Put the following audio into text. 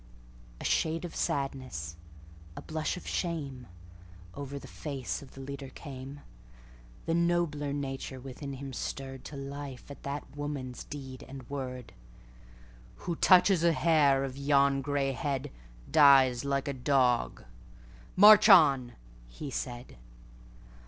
A shade of sadness, a blush of shame, Over the face of the leader came; The nobler nature within him stirredTo life at that woman's deed and word:"Who touches a hair of yon gray headDies like a dog! March on!" he said.